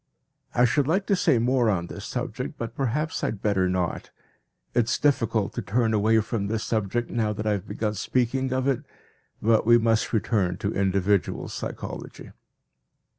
I should like to say more on this subject, but perhaps I had better not. It is difficult to turn away from this subject now that I have begun speaking of it, but we must return to individual psychology.